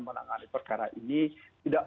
menangani perkara ini tidak